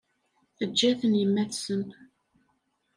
Teǧǧa-ten yemma-tsen.